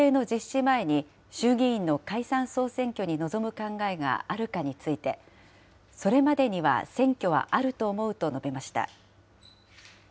前に衆議院の解散・総選挙に臨む考えがあるかについて、それまでには選挙はあると思うと述べました。